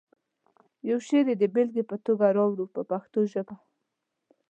یو شعر یې د بېلګې په توګه راوړو په پښتو ژبه.